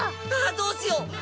あぁどうしよう！